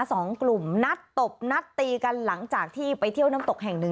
สองกลุ่มนัดตบนัดตีกันหลังจากที่ไปเที่ยวน้ำตกแห่งหนึ่ง